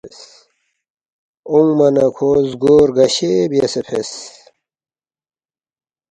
اونگما نہ کھو زگو رگشے بیاسے فیس